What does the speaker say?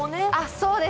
そうです